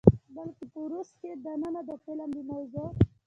بلکې په روس کښې دننه د فلم د موضوع،